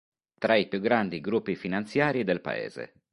Tra i più grandi gruppi finanziari del paese.